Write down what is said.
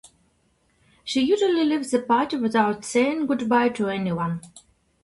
"She usually leaves the party without saying goodbye to anyone."